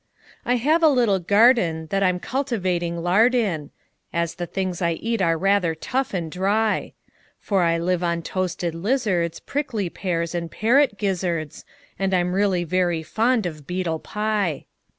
I have a little gardenThat I 'm cultivating lard in, As the things I eat are rather tough and dry; For I live on toasted lizards, Prickly pears, and parrot gizzards, And I 'm really very fond of beetle pie.